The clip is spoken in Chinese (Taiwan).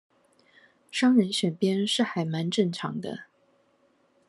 商人選邊是還蠻正常的